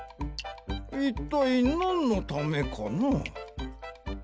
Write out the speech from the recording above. いったいなんのためかな？